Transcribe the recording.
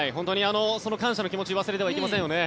その感謝の気持ちを忘れてはいけないですよね。